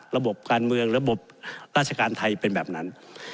ระบบการเมืองระบบราชการไทยเป็นแบบนั้น